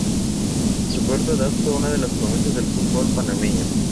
A su corta edad fue una de las promesas del fútbol panameño.